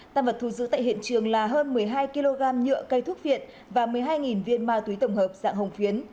tăng vật thu giữ tại hiện trường là hơn một mươi hai kg nhựa cây thuốc viện và một mươi hai viên ma túy tổng hợp dạng hồng phiến